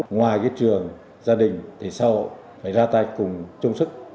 ngoài cái trường gia đình thì sau phải ra tay cùng chung sức